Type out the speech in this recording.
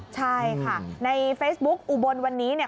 ใช่ค่ะในเฟซบุ๊คอุบลวันนี้เนี่ย